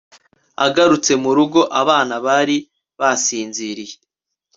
Agarutse murugo abana bari basinziriye